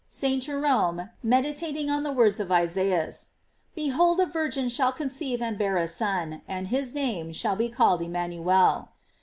St. Jerome, med itating on the words of Isaias — "Behold a Vir gin shall conceive arid bear a Son, and his name shall be called Emmanuel"!